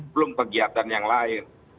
belum kegiatan yang lain